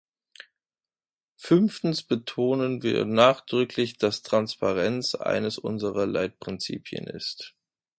Fünftens betonen wir nachdrücklich, dass Transparenz eines unserer Leitprinzipien ist.